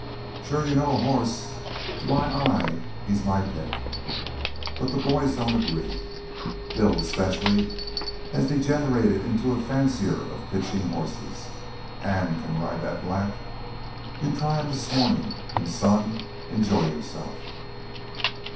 "Shore you know a hoss. To my eye he's my pick. But the boys don't agree. Bill 'specially has degenerated into a fancier of pitchin' hosses. Ann can ride that black. You try him this mawnin'.... An', son, enjoy yourself."